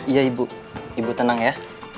iya ibu ibu tenang ya